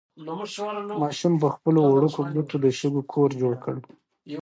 ماشوم په خپلو وړوکو ګوتو د شګو کور جوړ کړ.